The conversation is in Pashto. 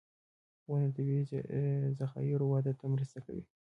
• ونه د طبعي ذخایرو وده ته مرسته کوي.